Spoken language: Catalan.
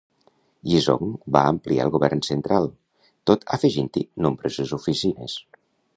Yizong va ampliar el govern central, tot afegint-hi nombroses oficines.